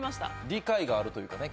理解があるというかね。